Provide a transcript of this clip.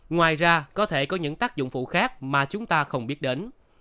ngoài ra có thể có những tác dụng phụ khác mà chúng ta không biết đến